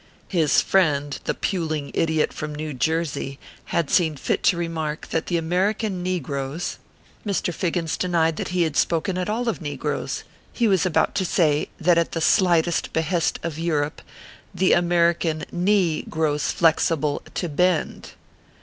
His friend, the puling idiot from New Jersey, had seen fit to remark that the American negroes ORPHEUS C. KEKR PAPERS. 377 Mr. FIGGINS denied that he had spoken at all of negroes. He was about to say, that at the slightest behest of Europe " the American knee grows flexible to bend."